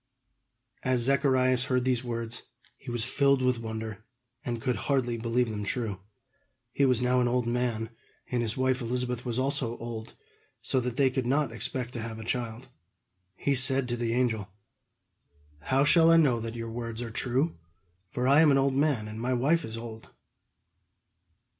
As Zacharias heard these words, he was filled with wonder, and could hardly believe them true. He was now an old man, and his wife Elizabeth was also old; so that they could not expect to have a child. He said to the angel: "How shall I know that your words are true, for I am an old man, and my wife is old?"